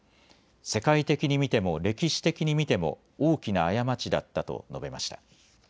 世界的に見ても歴史的に見ても大きな過ちだったと述べました。